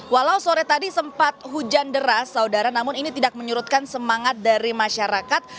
walau sore tadi sempat hujan deras saudara namun ini tidak menyurutkan semangat dari masyarakat